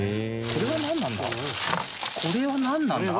これはなんなんだ？